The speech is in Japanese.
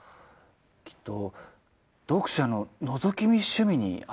きっと読者ののぞき見趣味に合ってるんでしょうね。